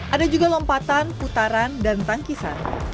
ada juga lompatan putaran dan tangkisan